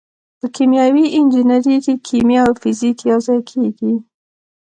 په کیمیاوي انجنیری کې کیمیا او فزیک یوځای کیږي.